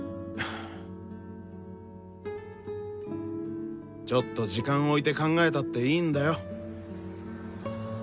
ちょっと時間置いて考えたっていいんだよ。